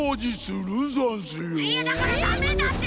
いやだからダメだって！